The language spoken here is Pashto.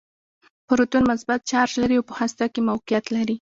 پروټون مثبت چارچ لري او په هسته کې موقعیت لري.